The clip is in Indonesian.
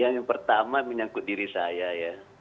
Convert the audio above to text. yang pertama menyangkut diri saya ya